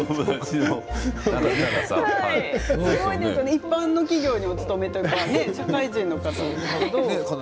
一般の企業にお勤めという社会人の方なんですけど。